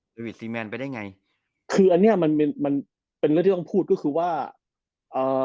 วิทซีแมนไปได้ไงคืออันเนี้ยมันเป็นมันเป็นเรื่องที่ต้องพูดก็คือว่าเอ่อ